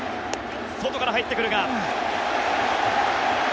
外から入ってくるが。